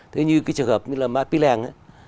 thế như cái trường hợp như là mát pí lèng